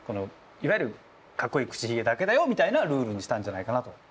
いわゆるかっこいい口ひげだけだよみたいなルールにしたんじゃないかなと。